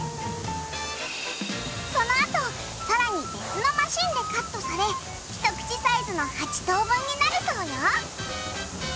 そのあとさらに別のマシンでカットされ一口サイズの８等分になるそうよ。